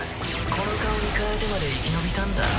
この顔に変えてまで生き延びたんだ。